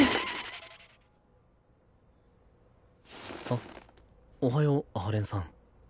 あっおはよう阿波連さん。